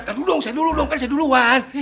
tentu dong saya duluan